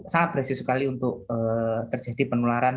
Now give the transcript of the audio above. sangat berhasil sekali untuk terjadi penularan